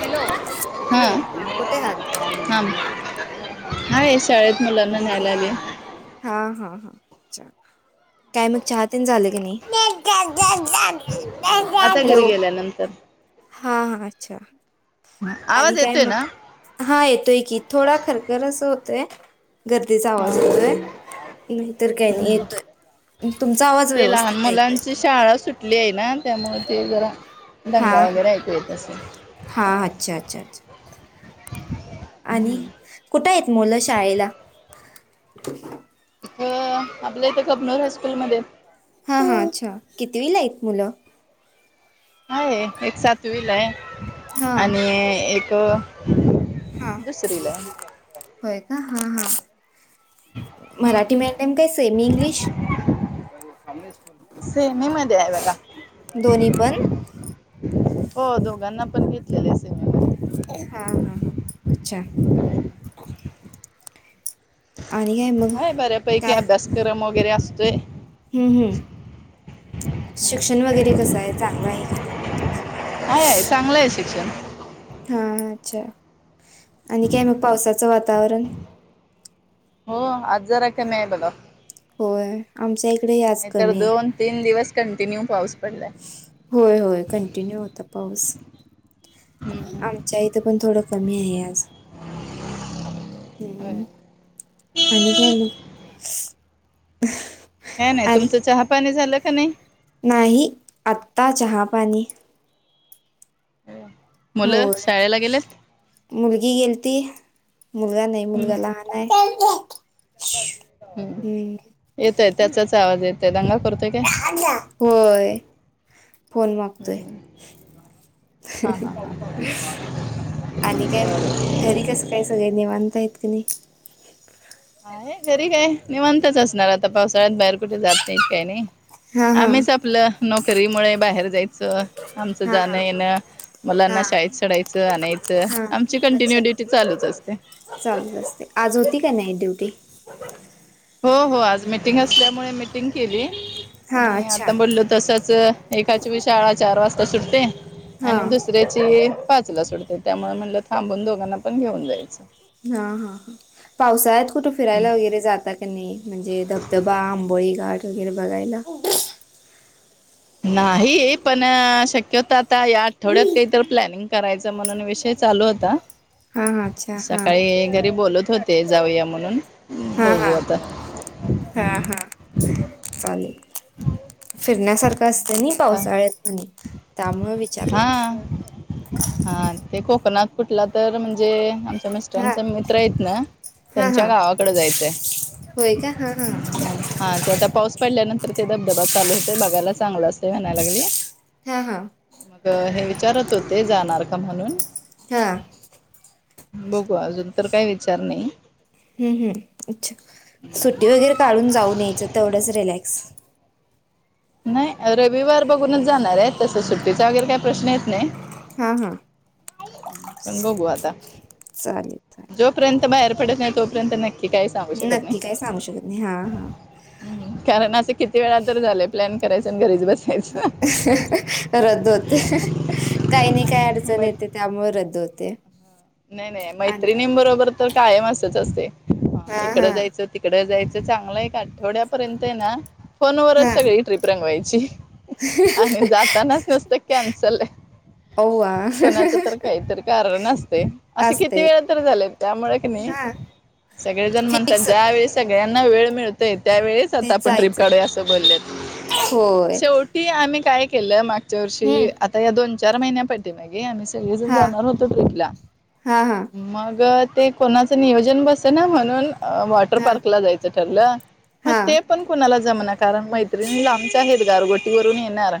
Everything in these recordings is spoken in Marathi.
हॅलो हॅलो हा कोठे आहात? हाय शाळेत मुलांना न्यायला आले. हा, हा, हा, चल. काय मग चहा न ते झालं की नाही? आता घरी हॅलो गेल्या नंतर. हा, हा अच्छा. आणि आवाज काय येतोय ना मग हा येतोय की थोडा खरखर अस होतय. गर्दीचा हा आवाज येतोय. नाहीतर काही नाही हम्म येतोय. तुमचा आवाज ते लहान व्यवस्थित ऐकू मुलांची येतोय. शाळा सुटली आहे ना त्यामुळे ते जरा हा दंगा हा वगैरे ऐकू येत असेल. हा अच्छा अच्छा अच्छा [unintelligible] आणि कुठं येत मुलं शाळेला? अ आपलं इथं कपनूर हॉस्पुलमध्ये. हा हा अच्छा कितविला आहेत मूल? आहे एक सातवीला आहे हा आणि एक हा दुसरी ला आहे. होय का हा हा मराठी हम्म मिडीयम काय सेम इंग्लिश? सेमी मध्ये आहे बघा. दोन्ही पण हो दोघांना पण घेतलेले सेम. हा हा हा अच्छा. आणि काय मग हय बऱ्यापैकी काय अभ्यासक्रम वगैरे असतोय. हम्म हम्म शिक्षण वगैरे कसं आहे चांगल आहे क नाही? हय आहे चांगलं आहे शिक्षण. हा अच्छा आणि काय मग पावसाचं वातावरण. हो आज जरा कमी हाय बघा. होय आमचा एक.. नाहीतर दोन तीन दिवस कंटिन्यू पाऊस. पडलाय होय होय कंटिन्यू होता पाऊस. हम्म आमच्या इथं पण थोडं कमी आहे आज. होय. हम्म आणि. [unintelligible] काय नाही आणि तुमचं चहापाणी झालं का नाही? नाही आत्ता चहा पाणी? हो मुलं शाळेला गेलेत मुलगी गेलती. मुलगा नाही हम्म मुलगा लहान आहे. हम् येतोय त्याचाच आवाज येतोय अंगा होय फोन मागतोय. हम्म हा हा ह. आणि काय घरी कसं काय सगळ निवांत आहेत कीं नाहीं? घरी काय नि म्हणतच असणार आता पावसाळ्यात बाहेर कुठे जात नाहीत काय नाही. हा हा आम्हीच आपलं नोकरी मु ळ बाहेर जायचं आमच हा जाणं हा येणं.. हा मुलांना शाळेत सडायचं आणायचं हा आमची कंटिन्यू अच्छा ड्युटी चालूच असते. चालूच असते आज होती का नाही ड्युटी? हो हो आज मिीटिंग असल्यामुळे मिीटिंग केली हा आणि अच्छा आता बोललो तसंच... एकाची मी शाळा चार वाजता सुटते हा आणि दुसऱ्याची.. पाचला सुटते त्यामुळे म्हणलं थांबून दोघांना पण घेऊन जायचं. हा हा ह पावसाळ्यात कुठं फिरायला वगैरे जाता की नाही? म्हणजे धबधबा आंबोळी घाठ वगैरे बघायला. नाही पण शक्यत आता या आठवड्यात काहीत प्लॅनिंग करायचं म्हणून विशेष.. चालू होता हा हा अच्छा हा सकाळी घरी बोलत होते जाऊया म्हणून.. हा हा बघू आता हा हा चालेल. ह. फिरण्यासारखं. कसनी पावसाळत म्हणे त्यामुळे विचारले. हा. हा ते कोकणात कुठला तर म्हणजे.. हा मिस्टरांचा मित्र आहेत ना हा त्यांच्या हा गावाकडे जायचंय. होय का हा हा हा ते आता पाऊस पडल्यानंतर ते धबधबा चालू होतय बघायला चांगला असतय म्हणायलागली. हा हा हे विचारत होते जाणार का म्हणून. हा. बघू अजून तर काय विचार नाही. हम्म हम्म अच्छा सुट्टी वगैरे काढून जाऊन यायचं तेवढंच रिलॅक्स. नाही रविवार बघूनच जाणार आहे तसं सुट्टीचा वगैरे काही प्रश्न येत नाही. हा हा. पण बघू आता. चालेल चालेल जोपर्यंत बाहेर पडतच नाही तोपर्यंत नक्की.. कि काही सांगू शकत नाही नक्की काय सांगू शकत नाही हा कारण आधी.. किती वेळा तर झाय प्लॅन करायचय घरी बस रद्द होते, काही नाही काही अडचण मग येते त्यामुळे, रद्द होते. नाही नाही आणि मैत्रिणीं बरोबर तर कायम असच असते, हा इकडं हा जायचं तिकड जायचं. चांगलं एक आठवड्यापर्यंत आहे, ना फोनवरच हा सगळी ट्रिप रंगवायची, आणि जातानाच नसतं कीनसल, ओवा कोणाच तर काहीतरी कारण असते. असं किती असते वेळा तर झाले, त्यामु क नाही हा सगळे जण म्हणतात फिक्स ज्या वेळी सगळे, त्यांना वेळ मिळतय, त्यावेळेच ते आता आपण ट्र्रीप जायचं काढूया असं बोललेत, होय शेवटी आम्ही काय केलंग, पुच्या वर्षी हम्म आता या दोन चार महिन्या पाटी मा गे, आम्ही सगळेजण हा जाणार होतो ट्रिपला, हा हा मग ते कोणाचं नियोजन बस ना म्हणून, वॉटर हा पार्कला जायचं ठरलं मग हा ते पण कुणाला... जमना कारण मैत्रिणी लांबच्या आहेत गारगोटी वून येणार..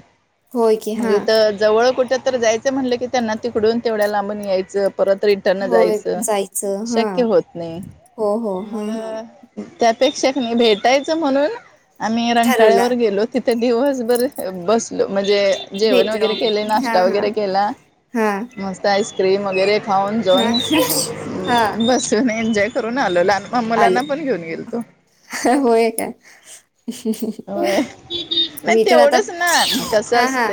होय की हा म्हगे तर जवळ कुठ तर जायचं म्हटलं की त्यांना तिकडून तेवढ्या लांबून यायचं. परत रिटर्न होय जायचं जायचं हा शक्य होत नाही हो हो मग हा हा त्यात. अेक्षक नाही भेटायच म्हणून आम्ही रांकाळ्या वं ठरवला र गेलो तिथ ते दिवसभर बसलो. म्हणजे जेवण भेटलो वगैरे केले हा नाश्ता हा वगैरे केला हा मस्त आईस्क्रीम वगैरे खाऊन हा जाऊन हा बसून एन्जॉय करून आलो. मम्मालांना आलं पण घेऊन गेल तो. होय काय होय नाही मी तर आता तेवढंच ना कसं हा हा असत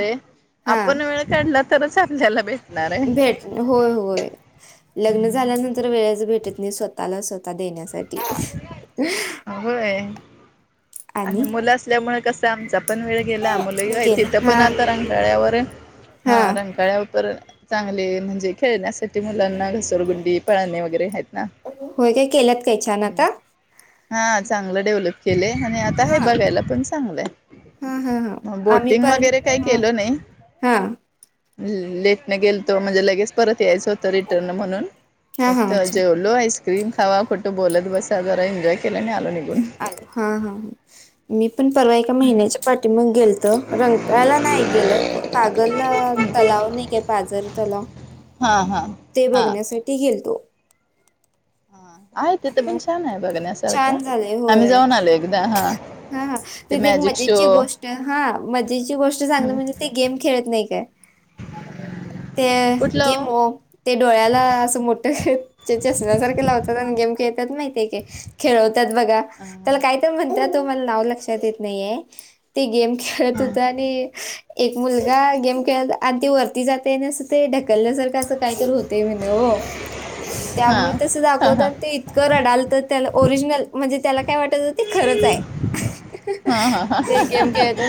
हा आपण वेळ काढला तरच आपल्याला भेट. भेट होय होय लग्न झाल्यानंतर वेळे भेटत नाही स्वतःला स्वतः देण्यासाठी, [unintelligible] होय अ, आणि मुलं असल्यामुळे कस, आमचा पण वेळ गेला मुलंही केला तिथं हा पण आता रंगकाळ्यावर हा रंगकाळ्या वर तर, चांगले म्हणजे, खेळण्यासाठी मुलांना घसोरगुंडी पाळणे वगैरे आहेत. ना होय काय केलंत काही छान आता? हा चांगलं डेव्हलप केलंय, आणि आता हा आहे बघायला पण चांगलंय. हा हा हा आम्ही बोटिंग पण वगैरे काही हा केल नाही, हा लेटने गेल तो म्हणजे लगेच परत येईच होत रिटर्न म्हणून, हा हा फक्त अच्छा जेवलो आईस्क्रीम खावा खोटं बोलत स जरा सा, एनजॉय केला आणि आलो निघून. अ हा हा मी पण परवा एका महिन्याच्या पाठी मग गेल रंगखळ्यात नाही गेलं कागल तलाव नाही, काय पाझर तलाव. हा हा ते हा बघण्यासाठी गेलतो. ह आहे तिथं पण हं छान आहे, बघण्यासारखं छान झालंय आम्ही होय. जाऊन आलो एकदा. हा हा हा ते तिथे एक मॅजिक शो मजेची गोष्ट हा, मजेची गोष्ट सांगण म्हणजे ते गेम खेळत नाही. नाही काय. ते गेम हो ते डोळ्याला असं मोठ, चष्म्यासारखे लावतात आणि गेम खेळ माय खेळवतात बघा हा त्याला काय तर म्हणतात, म नाव लक्षात येत नाही, ते गेम खेळत हा होत आणि एक मुलगा गेम आधी वरती जाते अस, ते ढकलल्यासारखं असं काय होत. ते म्हण हो हा त्यामुळे तसं हा दाखवत, हा आणि ते इतकं रडालतं त्याला ओरिजनल म्हणजे, त्याला काय वाटत ते खरंच आहे हा हा ते गेम खेळत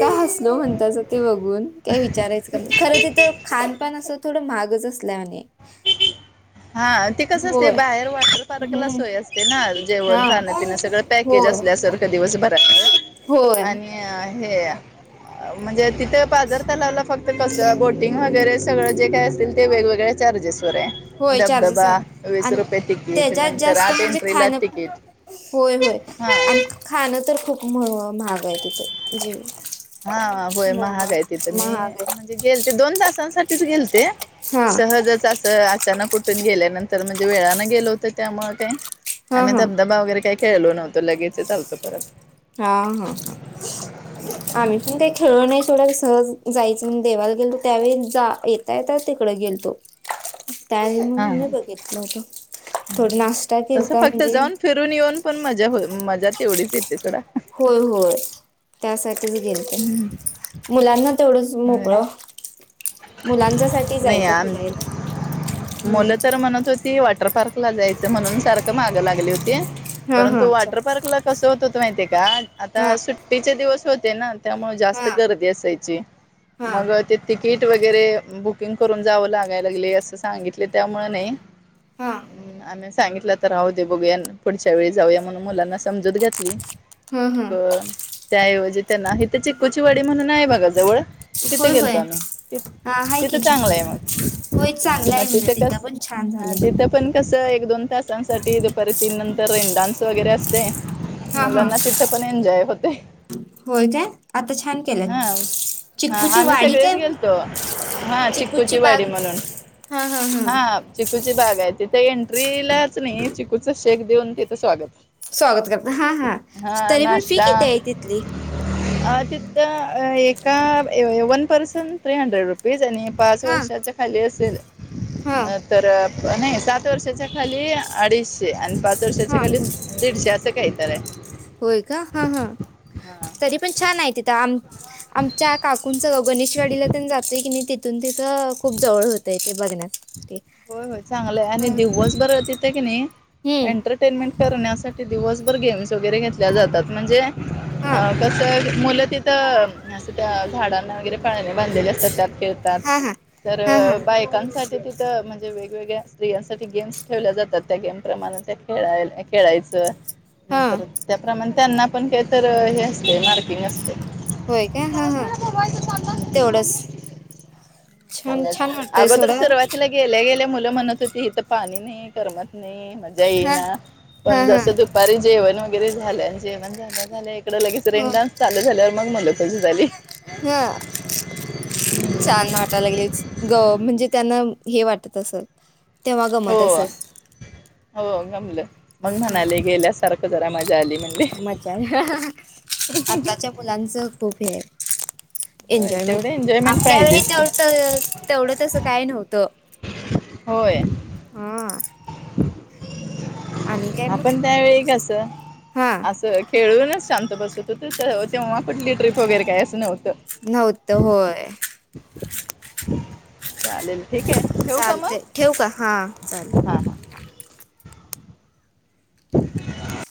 का हसलो म्हणताच ते, बघून काय विचारायचं का खरं तिथं खानपान अस थोडं महागच असल्यावाणी, हा ते कस असते, होय. बाहेर वॉटर पार्कला हम्म सोय असते. ना हा जेवण खाण्यपिन सगळं, पॅकेज होय असल्या सारखं दिवस होय आणि हे म्हणजे तिथं पाजार तलावला फक्त कसं बोटिंग वगैरे सगळं जे, काय असतील ते वेगवेगळे चार्जेस, होय धब चार्जेस धबा आहे वीस आणि रुपय तिकीट त्याच्यात नंतर जास्त आत म्हणजे एंट्रिला खाणं पण तिकीट. होय होय हा आणि खाणं तर खूप महाग आहे तिथं जीव. हा होय महाग तिथं मी महाग आहे म्हणजे गेल ते दोन तासांसाठीच गेल. ते हा सहजच अस अचानक कुठून गेल्यानंतर म्हणजे वेळानें गेलो होत. त्यामुळे काही हा आम्ही हा धबधबा वगैरे काही खेळलो नव्हतो. लगेच चालतो परत. हा प काही खेळ नाही सोडा सहज जायचं म्हण देवाला गेल तो त्यावेळी जा येता येता तिकड गेल तो टायमिंग हा हा नाही बघितलं होतं. थोड नाश्ता तसं केलता फक्त म्हणजे जाऊन फिरून येऊन पण मजा मजा तेवढीच येते सोडा. होय होय त्यासाठीच गेलते हम्म मुलांना, थोडच होय मोकळ, मुलांचसाठी नाही जायचं आम फिरायला हम्, ती वॉटर पार्क ला जायचं, म्हणून सारखं मागं लागली होती. हा परंतु हा अच्छा वॉटर पार्क ला कसं होत, माहितीय का हा आता सुट्टीचे दिवस होते ना. त्यामुळे हा जास्त गर्दी असायची हा मग ते त, तिकीट वगैरे बुकिंग करून जावं लागाय लागली असं सांगितले त्यामु नाही. हा हा आम्ही सांगितलं तर राह दे बघूया पुढच्या वेळी जाऊया म्हणून मुलांना समजूत घातली. हा मग त्याऐवजी त्यांना हथ चिक्कूची वाडी म्हणून आहे बघा जवळ तिथं होय होय गेलतो आम्ही ति हा हाय तिथं की चांगलं आहे चिकू मग होय हा चांगलं मग आहे म्हण तिथं कस पण छान हा झालंय म्हण तिथं पण कस एक दोन तास. ठी दुपारी तीन नंतर रि डान्स वगैरे असते हा मला हा ना तिथे पण एन्जॉय होत. का? होय काय आता छान केलं हा चिक्कूची आम्ही वाडी सगळेच काय? गेलतो हा चिक्कूची चिकूची वाडी बाग म्हणून हा चिकूची बाग आहे तिथे एंट्रीलाच नाही. चिकूचं शेक देऊन तिथं स्वागत हा तरी पण फी नाश्ता किती आहे तिथली त एका one person three hundred rupees आणि पाच हा वर्षाच खाली असेल हा अ तर प नाही सात वर्षाच्या खाली अडीचशे आणि पाच वर्षाच्या हा खाली दीडशे अस असं कायत आहे. होय का हा हा हां तरी पण छान आहे, तिथं आम आमच्या काकू कोण गाव गणेशवाडीला तेन जातय की, नाही तिथून तिथं खूप जवळ होतंय ते बघण्यास. होय होय चांगलंय आणि दिववस तिथे की नाही हम्म एंटरटेनमेंट करण्यासाठी दिवसभर गेम्स वगैरे घेतल्या जातात म्हणजे हा अ कस मुलं तिथं असं त्या झाडांना वगैरे फळने बांधलेले असतात त्यात खेळतात हा हा तर हा हा बायकांसाठी तिथं. त म्हणजे वेगवेगळ्या स्त्रियांसाठी गेम्स ठेवल्या जातात त्या गेमपमा त्या खेळाय खेळायचं. हा नंतर त्याप्रमाणे त्यांना पण हे तर हे असते मार्किंग असतेय. होय काय हा हा मबाय त तेवढंच स [unintelligible] छान छान वाटतंय अगोदर सोडा सुरवातीला गे गल्या गेल्या मुलं म्हणत होती, हित पाणी नाही करमत नाही. मजा येई हा ना हा पण जसं हा दुपारी जेवण वगैरे झालं जेवण झाल्या झाल्या कड लगेच रीग डान्स चालू झाल्यावर मग मुलं खुश झाली. हा छान वाटायलागलयच ग म्हणजे त्यांना हे वाटत असल. तेव्हा हो गमत अससत. हो गमलं मग म्हणाले गेल्यासारखं जरा मजा आली नाय. समाचार अ ह अ ह आताच्या मुलांचं खूप हे हाय. होय एन्जॉयमेंट तेवढे एन्जॉयमेंट आपल्या वेळी पाहिजेच की तेव त तेवढं तसं काय नव्हतं. होय. हा. आणि काय मग आपण त्यावेेळी कस हा असं खेळूनच शांत बसत तर तेव्हा कठली ट्रिप वगैरे काय असं नवतं. नव्हत होय. चालेल ठीक आहे, ठेऊ का चालते मग ठेव का हा चालते हा.